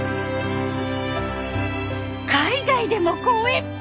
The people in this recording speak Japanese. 海外でも公演。